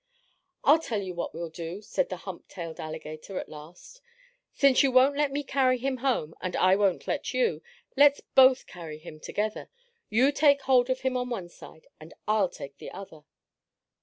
"I'll tell you what we'll do," said the hump tail alligator at last. "Since you won't let me carry him home, and I won't let you, let's both carry him together. You take hold of him on one side, and I'll take the other."